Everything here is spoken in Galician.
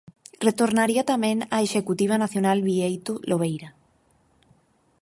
Retornaría tamén á Executiva Nacional Bieito Lobeira.